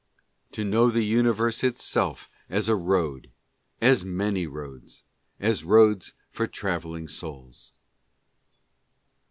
" To know the universe itself as a road, as many roads, as roads for travelling souls."